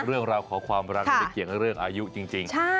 เพราะความรักไม่เกี่ยงเรื่องอายุจริง